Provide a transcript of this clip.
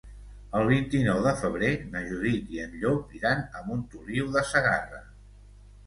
El vint-i-nou de febrer na Judit i en Llop iran a Montoliu de Segarra.